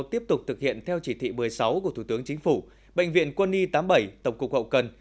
tiếp tục thực hiện theo chỉ thị một mươi sáu của thủ tướng chính phủ bệnh viện quân y tám mươi bảy tổng cục hậu cần